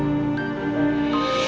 jangan lupa untuk mencoba